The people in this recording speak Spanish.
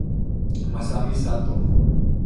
Masami Sato